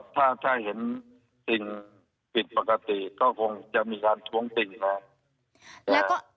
ถ้าเห็นสิ่งผิดปกติก็คงจะมีการท้วงติ่งแล้ว